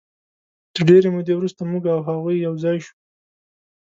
د ډېرې مودې وروسته موږ او هغوی یو ځای شوو.